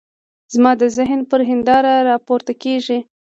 زما د ذهن پر هنداره را پورته کېږي.